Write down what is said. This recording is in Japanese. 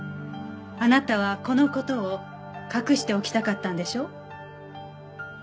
あなたはこの事を隠しておきたかったんでしょ？